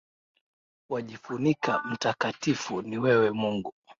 Wajifunika, mtakatifu ni wewe Mungu